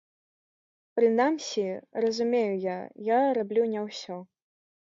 Прынамсі, разумею я, я раблю не ўсё.